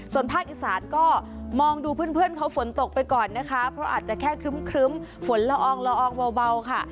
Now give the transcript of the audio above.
ส่วนภาคอีสานก็มองดูเพื่อนเขาฝนตกไปก่อนนะคะเพราะอาจจะแค่ครึ้มฝนละอองละอองเบาค่ะ